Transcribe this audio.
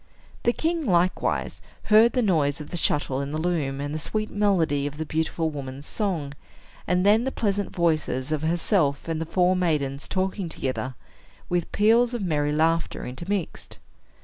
The king likewise heard the noise of the shuttle in the loom and the sweet melody of the beautiful woman's song, and then the pleasant voices of herself and the four maidens talking together, with peals of merry laughter intermixed.